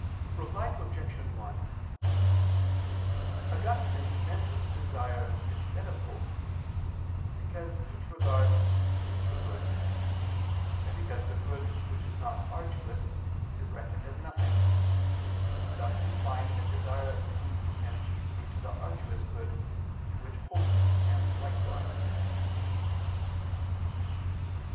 Reply Obj. 1: Augustine mentions desire instead of hope, because each regards future good; and because the good which is not arduous is reckoned as nothing: thus implying that desire seems to tend chiefly to the arduous good, to which hope tends likewise.